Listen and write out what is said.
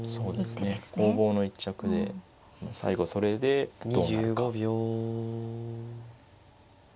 攻防の一着で最後それでどうなるか。